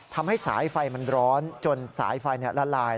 ทำให้สายไฟมันร้อนจนสายไฟละลาย